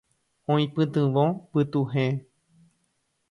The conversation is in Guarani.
Oipytyvõ pytuhẽ.